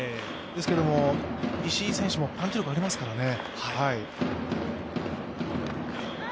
ですけれども、石井選手もパンチ力がありますからね。